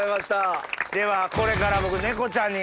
ではこれから僕猫ちゃんに。